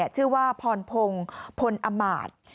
ชื่อว่าพรพงศ์พนอมาร์ท